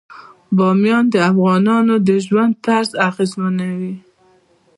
بامیان د افغانانو د ژوند طرز اغېزمنوي.